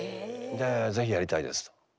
で是非やりたいですと。